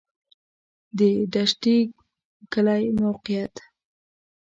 د دشټي کلی موقعیت